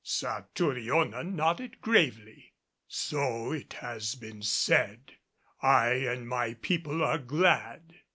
Satouriona nodded gravely. "So it has been said. I and my people are glad."